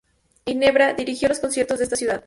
En Ginebra dirigió los conciertos de esta ciudad.